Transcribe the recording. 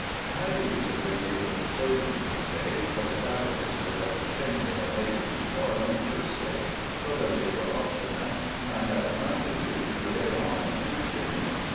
I had to use a great deal of persuasion this day; for the savages were led to think, they had laboured too hard on the first day, so that they were obstinate, and I had much ado to prevail on them to continue.